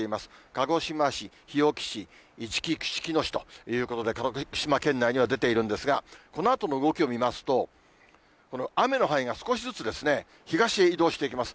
鹿児島市、日置市、いちき串木野市ということで、鹿児島県内には出ているんですが、このあとの動きを見ますと、この雨の範囲が少しずつ東へ移動していきます。